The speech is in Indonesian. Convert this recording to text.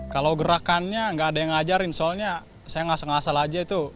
kalau gerakannya nggak ada yang ngajarin soalnya saya ngasel ngasel aja itu